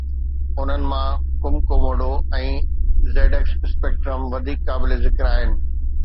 انهن مان، Cumcomodo ۽ ZX Spectrum وڌيڪ قابل ذڪر آهن